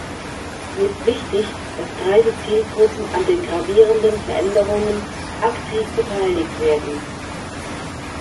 Mir ist wichtig, dass breite Zielgruppen an den gravierenden Veränderungen aktiv beteiligt werden.